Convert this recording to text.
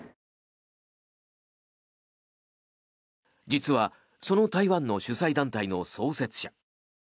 実はその台湾の主催団体の創設者。